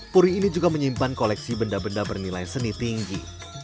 puri ini juga menyimpan koleksi benda benda bernilai seni tinggi